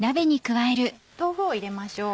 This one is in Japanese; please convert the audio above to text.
豆腐を入れましょう。